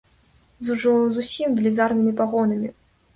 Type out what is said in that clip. З ужо зусім велізарнымі пагонамі.